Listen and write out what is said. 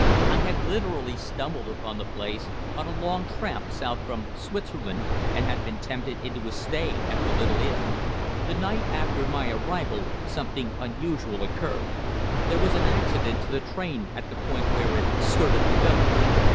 I had literally stumbled upon the place on a long tramp south from Switzerland, and had been tempted into a stay at the little inn. The night after my arrival something unusual occurred. There was an accident to the train at the point where it skirted the village.